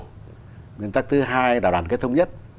nguyên tắc thứ hai là đảo đảng kết thống nhất